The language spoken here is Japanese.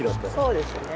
そうですね。